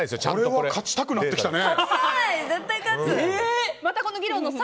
これは勝ちたくなってきたね。